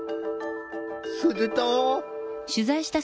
すると！